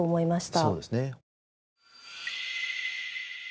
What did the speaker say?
そうですね。